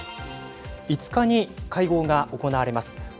５日に会合が行われます